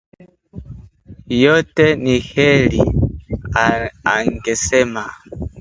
Yote ni kheri, angesema